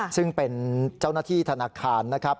ซึ่งเป็นเจ้าหน้าที่ธนาคารนะครับ